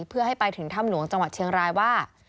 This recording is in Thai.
เพื่อให้ไปถึงถ้ำหลวงจังหวัดเชียงรายว่า